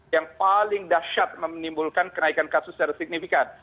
yang paling dahsyat menimbulkan kenaikan kasus secara signifikan